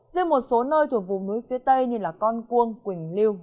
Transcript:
riêng một số nơi thuộc vùng núi phía tây như là con cuông quỳnh liêu